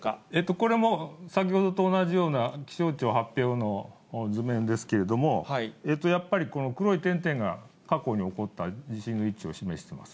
これも先ほどと同じような気象庁発表の図面ですけれども、やっぱりこの黒い点々が過去に起こった地震の位置を示しています。